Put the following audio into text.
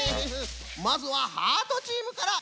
まずはハートチームから。